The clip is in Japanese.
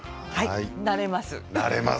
慣れます。